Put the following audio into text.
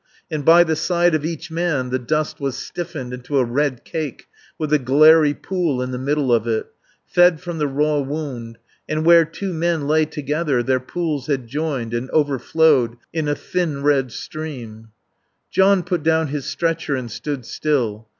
And by the side of each man the dust was stiffened into a red cake with a glairy pool in the middle of it, fed from the raw wound; and where two men lay together their pools had joined and overflowed in a thin red stream. John put down his stretcher and stood still.